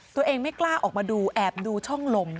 ไม่กล้าออกมาดูแอบดูช่องลม